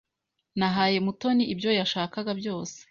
Nahaye Mutoni ibyo yashakaga byose.